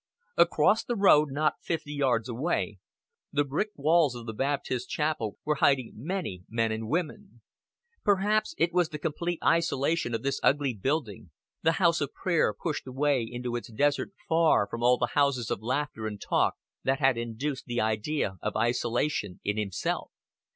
Across the road, not fifty yards away, the brick walls of the Baptist Chapel were hiding many men and women. Perhaps it was the complete isolation of this ugly building, the house of prayer pushed away into the desert far from all houses of laughter and talk, that had induced the idea of isolation in himself.